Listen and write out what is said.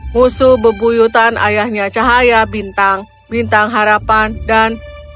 musuh bebuyutan ayahnya cahaya bintang bintang harapan dan